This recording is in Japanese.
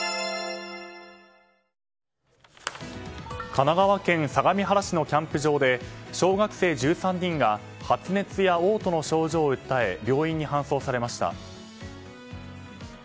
神奈川県相模原市のキャンプ場で小学生１３人が発熱や嘔吐の症状を訴え病院に搬送されました。